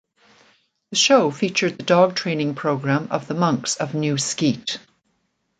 The show featured the dog training program of the Monks of New Skete.